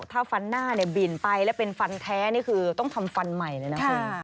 ถ้าฟันหน้าเนี่ยบินไปแล้วเป็นฟันแท้นี่คือต้องทำฟันใหม่เลยนะคุณ